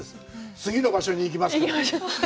次の場所に行きますと。